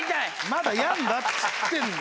まだやるんだっつってんの。